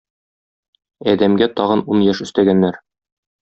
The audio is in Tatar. Адәмгә тагын ун яшь өстәгәннәр.